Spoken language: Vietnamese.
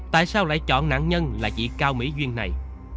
tại sao lại chọn nạn nhân là chị cao mỹ duyên này